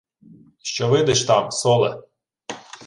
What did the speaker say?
— Що видиш там, соле?